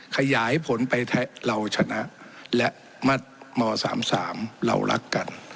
ขยายผลไปแทะเราชนะและมัดหมอสามสามเรารักกัน